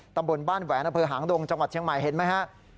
ตำบลบ้านแหวนอำเภอหางดงจังหวัดเชียงใหม่เห็นไหมฮะ